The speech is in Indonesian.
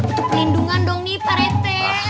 butuh pelindungan dong nih parete